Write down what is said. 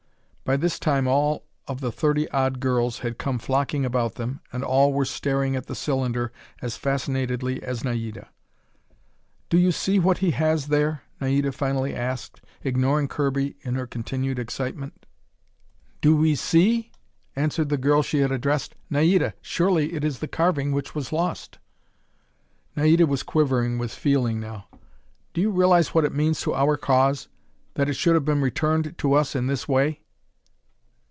By this time all of the thirty odd other girls had come flocking about them, and all were staring at the cylinder as fascinatedly as Naida. "Do you see what he has there?" Naida finally asked, ignoring Kirby in her continued excitement. "Do we see?" answered the girl she had addressed. "Naida, surely it is the carving which was lost!" Naida was quivering with feeling now. "Do you realize what it means to our cause that it should have been returned to us in this way?"